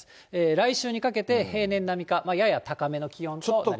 来週にかけて平年並みか、やや高めの気温となりそうです。